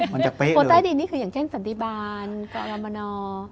มันจะเป๊ะเลยโพสต์ใต้ดินนี่คืออย่างเช่นสันติบาลกรรมนอร์